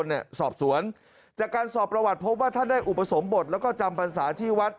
หลวงพ่อดีกว่าหลวงพ่อเป็นพระ